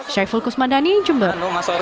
syafil kusmadani jember